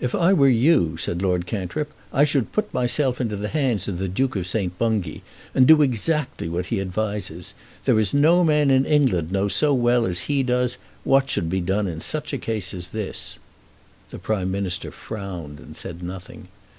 "If I were you," said Lord Cantrip, "I should put myself into the hands of the Duke of St. Bungay, and do exactly what he advises. There is no man in England knows so well as he does what should be done in such a case as this." The Prime Minister frowned and said nothing.